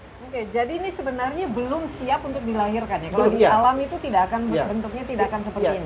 oke jadi ini sebenarnya belum siap untuk dilahirkan ya kalau di alam itu tidak akan bentuknya tidak akan seperti ini